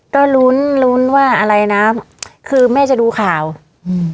ก็ลุ้นลุ้นว่าอะไรนะคือแม่จะดูข่าวอืม